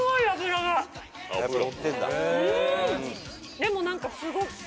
でも何かすごく。